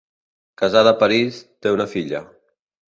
Casada a París, té una filla.